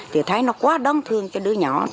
thì thấy nó quá đớn thương cho đứa nhỏ